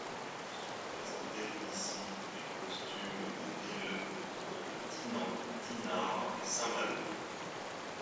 Sont présentés ici les costumes des villes autour de Dinan, Dinard, et Saint-Malo.